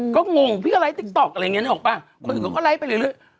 ก็งงพี่ก็ไลก์ติ๊กต๊อกอะไรอย่างเงี้ยนี่หรอกป่ะคนอื่นก็ก็ไลก์ไปเรื่อยเรื่อย